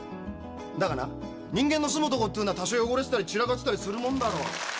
だがな人間の住むとこっていうのは多少汚れてたり散らかってたりするもんだろ」